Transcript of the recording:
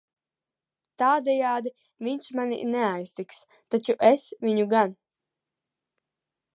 Tādejādi viņš mani neaiztiks, taču es viņu gan.